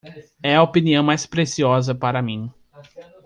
É a opinião mais preciosa para mim.